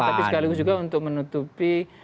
tapi sekaligus juga untuk menutupi